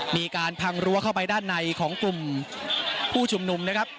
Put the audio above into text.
มีการพังรั้วเข้าไปด้านในของกลุ่มผู้ชุมนุมนะครับ